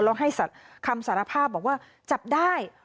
แล้วให้คำสารภาพบอกว่าจับได้